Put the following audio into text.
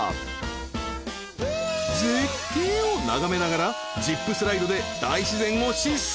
［絶景を眺めながらジップスライドで大自然を疾走！］